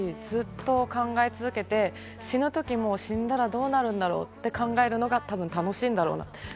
ずっと考え続けて、死ぬ時も死んだらどうなるんだろうって考えるのが多分楽しいんだろうなって。